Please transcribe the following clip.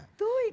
tentu ikan ya